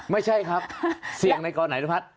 ไม่ใช่ครับเสี่ยงในกรไหนรุพัฒน์